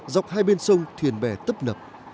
dọc hai bên sông thuyền bè tấp nập